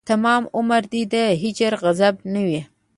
تمام عمر دې د هجر غضب نه وي